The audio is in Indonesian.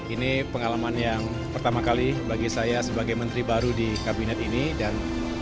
ini pengalaman yang pertama kali bagi saya sebagai menteri baru di kabinet ini dan